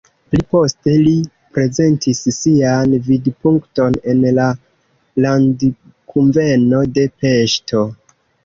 Pli poste li prezentis sian vidpunkton en la landkunveno de Peŝto.